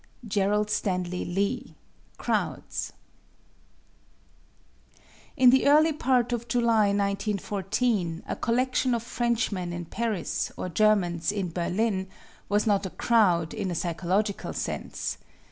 GERALD STANLEY LEE, Crowds. In the early part of July, 1914, a collection of Frenchmen in Paris, or Germans in Berlin, was not a crowd in a psychological sense.